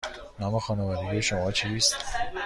نام خانوادگی شما چیست؟